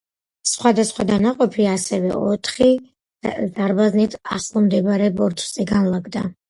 სხვა დანაყოფი ასევე ოთხი ზარბაზნით ახლომდებარე ბორცვზე განლაგდა.